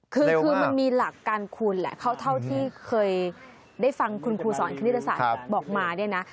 คือมันมีหลักการคุณแหละเท่าที่เคยได้ฟังคุณครูสอนคณิตศาสตร์บอกมาเนี่ยนะ